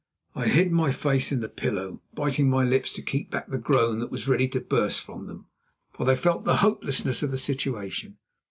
I hid my face in the pillow, biting my lips to keep back the groan that was ready to burst from them, for I felt the hopelessness of the situation.